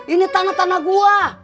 ini tanah tanah gua